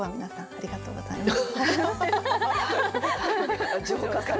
ありがとうございます。